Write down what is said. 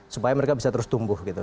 supaya mereka bisa terus tumbuh gitu